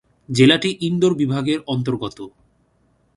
জেলাটি ইন্দোর বিভাগের অন্তর্গত।